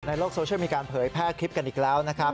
โลกโซเชียลมีการเผยแพร่คลิปกันอีกแล้วนะครับ